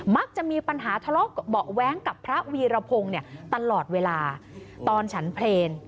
มักจะมีปัญหาทะเลาะเบาะแว้งกับพระวีรพงศ์เนี่ยตลอดเวลาตอนฉันเพลง